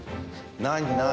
何何？